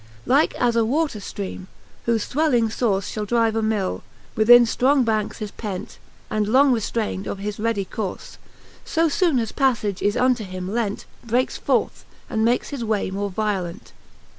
Like as a water ftreame, whofe fuelling (burfe Shall drive a Mill, within ftrongbancks is pent^ And long reftrayned of his ready courfej So loone as paflage is unto him lent, Breakes forth, and makes his way more violent.